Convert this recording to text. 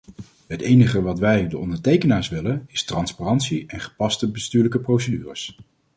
Het enige wat wij, de ondertekenaars, willen is transparantie en gepaste bestuurlijke procedures.